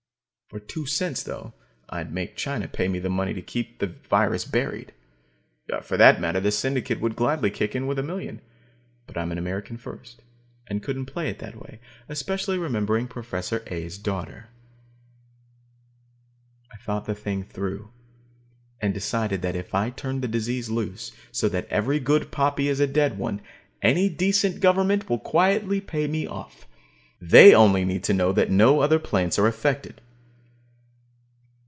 For two cents, I thought, I'd make China pay me the money to keep the virus buried. For that matter, the Syndicate would gladly kick in with a million. But I'm an American first, and couldn't play it that way, especially remembering Professor A's daughter. I thought the thing through, and decided that if I turned the disease loose, so that every good poppy is a dead one, any decent government will quietly pay me off. They only need to know that no other plants are affected.